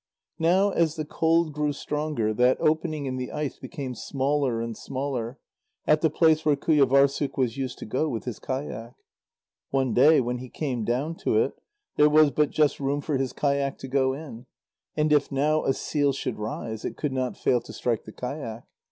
Now as the cold grew stronger, that opening in the ice became smaller and smaller, at the place where Qujâvârssuk was used to go with his kayak. One day, when he came down to it, there was but just room for his kayak to go in, and if now a seal should rise, it could not fail to strike the kayak.